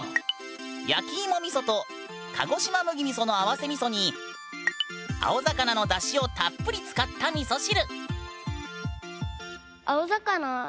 やきいもみそと鹿児島麦みその合わせみそに青魚の出汁をたっぷり使ったみそ汁。